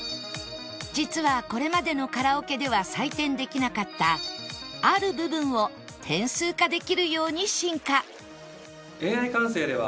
実はこれまでのカラオケでは採点できなかったある部分を点数化できるように進化